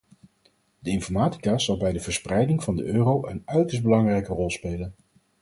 De informatica zal bij de verspreiding van de euro een uiterst belangrijke rol spelen.